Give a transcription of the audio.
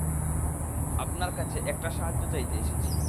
আপনার কাছে একটা সাহায্য চাইতে এসেছি।